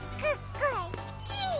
こーすき！